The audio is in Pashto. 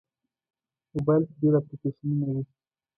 موبایل کې ډېر اپلیکیشنونه وي.